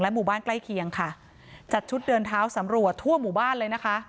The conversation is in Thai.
หมู่บ้านใกล้เคียงค่ะจัดชุดเดินเท้าสำรวจทั่วหมู่บ้านเลยนะคะ